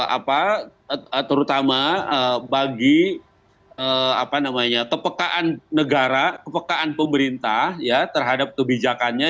apa terutama bagi kepekaan negara kepekaan pemerintah ya terhadap kebijakannya